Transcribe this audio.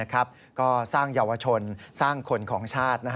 ก็สร้างเยาวชนสร้างคนของชาติ